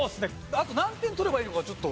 あと何点取ればいいのかちょっと。